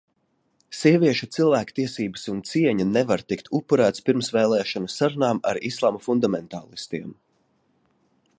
Sieviešu cilvēktiesības un cieņa nevar tikt upurētas pirmsvēlēšanu sarunām ar islama fundamentālistiem.